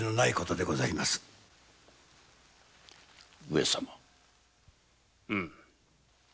上様。